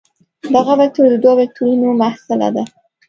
دغه وکتور د دوو وکتورونو محصله ده.